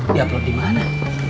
di upload dimana